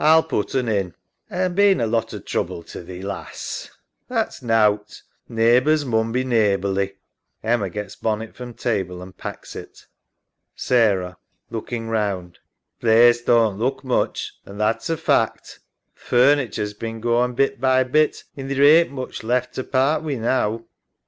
A'll put un in. SARAH. A'm being a lot o' trouble to thee, lass. EMMA. That's nowt, neighbours mun be neighbourly. [Gets bonnet from table and packs it. SARAH {pause. Looking round). Place doan't look much, an' that's a fact. Th' furniture's bin goin' bit by bit, and theer ain't much left to part wi' now.